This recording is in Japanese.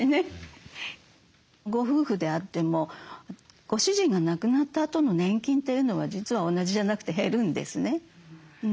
ご夫婦であってもご主人が亡くなったあとの年金というのは実は同じじゃなくて減るんですね。